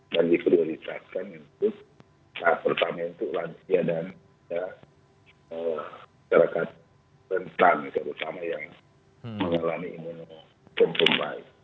dan diprioritaskan untuk pemerintah untuk lansia dan masyarakat tentang yang mengalami imunopunpun baik